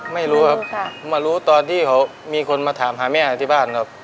ไม่รู้ครับมารู้ตอนที่เขามีคนมาถามหาแม่ที่บ้านครับ